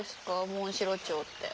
モンシロチョウって。